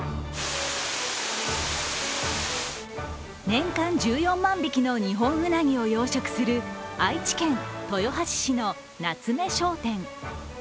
年間１４万匹のニホンウナギを養殖する愛知県豊橋市の夏目商店。